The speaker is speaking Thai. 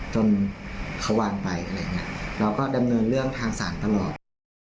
จนเขาวางไปอะไรอย่างนี้เราก็ดำเนินเรื่องทางศาลตลอด